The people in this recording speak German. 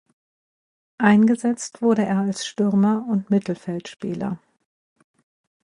Eingesetzt wurde er als Stürmer und Mittelfeldspieler.